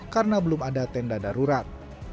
karena belum ada tenda darurat